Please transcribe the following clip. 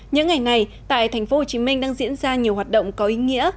những ngày này tại thành phố hồ chí minh đang diễn ra nhiều hoạt động có ý nghĩa